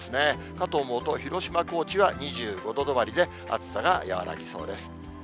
かと思うと、広島、高知が２５度止まりで、暑さが和らぎそうです。